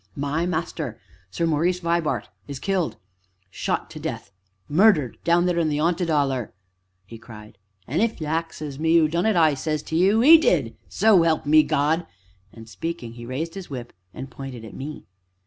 "My master Sir Maurice Vibart is killed shot to death murdered down there in the 'aunted 'Oller!" he cried, "and, if you axes me who done it, I says to you 'e did so 'elp me God!" and speaking, he raised his whip and pointed at me.